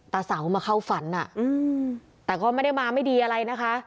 เสามาเข้าฝันแต่ก็ไม่ได้มาไม่ดีอะไรนะคะ